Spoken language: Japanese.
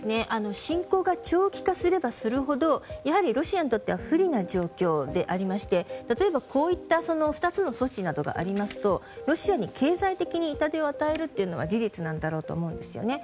侵攻が長期化すればするほどやはりロシアにとっては不利な状況でありまして例えば、こういった２つの措置などがありますとロシアに経済的に痛手を与えるというのは事実なんだろうと思います。